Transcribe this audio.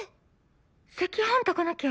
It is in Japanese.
赤飯炊かなきゃ。